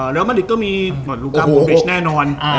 แล้วมาริกก็มีโรบิ้งโกเซ็นแน่นอน